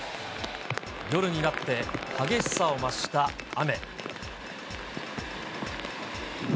夜になって、激しさを増した雨。